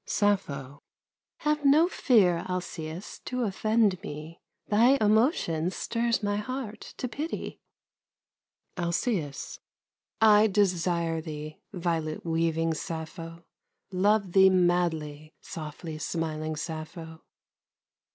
SAPPHO Have no fear, Alcæus, to offend me! Thy emotion stirs my heart to pity. ALCÆUS I desire thee, violet weaving Sappho! Love thee madly, softly smiling Sappho!